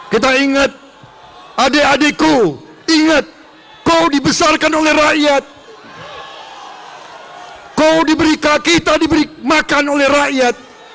kita ingat adik adikku ingat kau dibesarkan oleh rakyat kau diberi kaki tak diberi makan oleh rakyat